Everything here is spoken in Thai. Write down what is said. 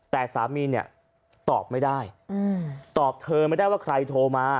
แต่สามีเนี่ยตอบไม่ได้ตอบเธอไม่ได้ว่าใครโทรมา